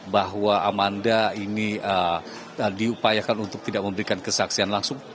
bahwa amanda ini diupayakan untuk tidak memberikan kesaksian langsung